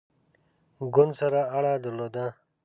ګوند سره اړه درلوده.